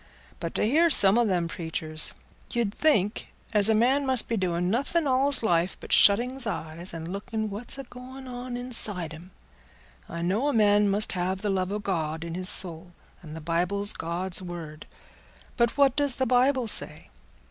But t' hear some o' them preachers, you'd think as a man must be doing nothing all's life but shutting's eyes and looking what's agoing on inside him. I know a man must have the love o' God in his soul, and the Bible's God's word. But what does the Bible say?